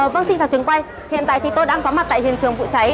vâng xin chào trường quay hiện tại thì tôi đang có mặt tại hiện trường vụ cháy